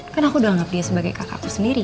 kan aku udah anggap dia sebagai kakakku sendiri